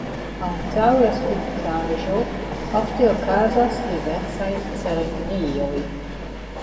Antaŭ la skulptaĵo ofte okazas diversaj ceremonioj.